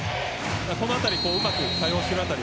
そのあたりをうまく対応しているあたり